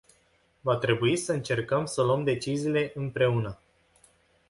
Va trebui să încercăm să luăm deciziile împreună.